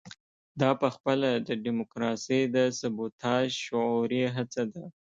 دا پخپله د ډیموکراسۍ د سبوتاژ شعوري هڅه ده.